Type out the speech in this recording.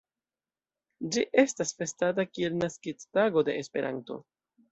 Ĝi estas festata kiel naskiĝtago de Esperanto.